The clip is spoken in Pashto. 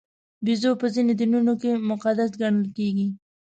بیزو په ځینو دینونو کې مقدس ګڼل کېږي.